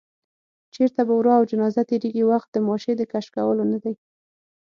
چېرته به ورا او جنازه تېرېږي، وخت د ماشې د تش کولو نه دی